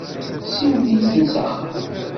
Siwel-iyi-n s axxam.